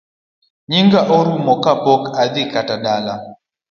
Yiga rumo ka pok adhi kata dala